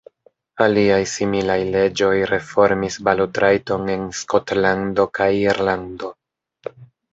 Aliaj similaj leĝoj reformis balotrajton en Skotlando kaj Irlando.